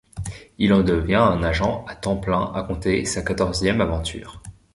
Il en devient un agent à temps plein à compter sa quatorzième aventure.